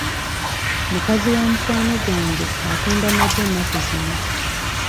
Mukazi wa mukwano gwange atunda magi ennaku zino.